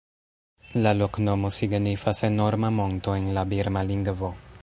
La loknomo signifas "enorma monto" en la birma lingvo.